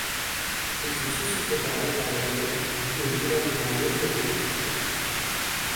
Il fut sous-secrétaire d'État à la Guerre du au Gouvernement Léon Gambetta.